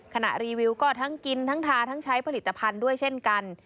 ขณะรีวิวก็ทั้งกินทั้งทาทั้งใช้ผลิตภัณฑ์ด้วยเช่นกัน